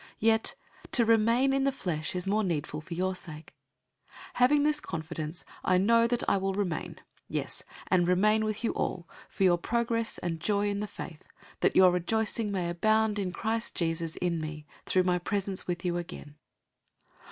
001:024 Yet, to remain in the flesh is more needful for your sake. 001:025 Having this confidence, I know that I will remain, yes, and remain with you all, for your progress and joy in the faith, 001:026 that your rejoicing may abound in Christ Jesus in me through my presence with you again.